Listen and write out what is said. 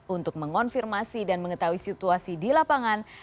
untuk mengonfirmasi dan mengetahui situasi di lapangan